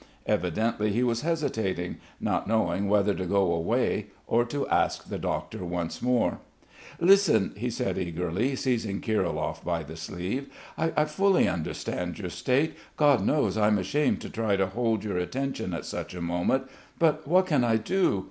Evidently he was hesitating, not knowing whether to go away, or to ask the doctor once more. "Listen," he said eagerly, seizing Kirilov by the sleeve. "I fully understand your state! God knows I'm ashamed to try to hold your attention at such a moment, but what can I do?